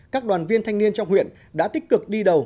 các đoàn viên thanh niên trong huyện đã tích cực đi đầu